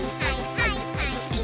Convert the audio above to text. はいはい！